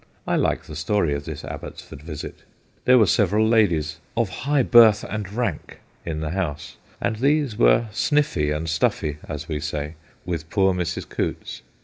I like the story of this Abbots ford visit. There were several ladies * of high birth and rank ' in the house, and these were sniffy and stuffy, as we say, with poor Mrs. Coutts.